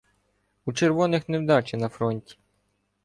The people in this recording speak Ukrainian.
У червоних — невдачі на фронті.